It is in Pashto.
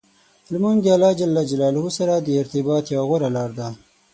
لمونځ د الله جل جلاله سره د ارتباط یوه غوره لار ده.